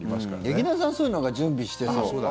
劇団さん、そういうのなんか準備してそう。